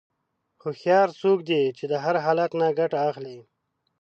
هوښیار څوک دی چې د هر حالت نه ګټه اخلي.